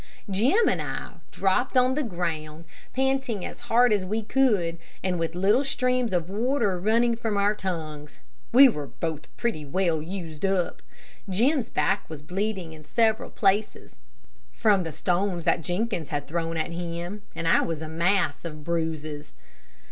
Jim and I dropped on the ground panting as hard as we could, and with little streams of water running from our tongues. We were both pretty well used up. Jim's back was bleeding in several places from the stones that Jenkins had thrown at him, and I was a mass of bruises.